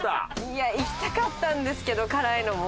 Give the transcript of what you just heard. いや行きたかったんですけど辛いのも。